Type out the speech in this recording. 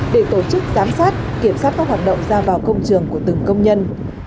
để tổ chức giám sát kiểm soát các hoạt động ra vào công trường của từng công nhân